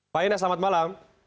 pak inas selamat malam